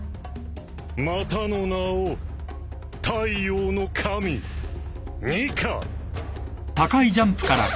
またの名を太陽の神ニカ。